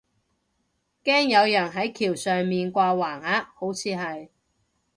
驚有人係橋上面掛橫額，好似係